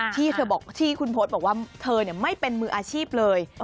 ที่เธอบอกที่คุณโพสต์บอกว่าเธอไม่เป็นมืออาชีพเลย